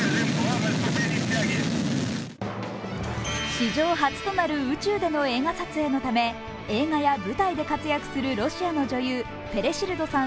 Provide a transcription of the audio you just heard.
史上初となる宇宙での映画撮影のため映画や舞台で活躍するロシアの女優ユリア・ペレシルドさん